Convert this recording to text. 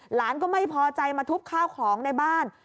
หลานก็ไม่พอใจมาทุบข้าวของในบ้าน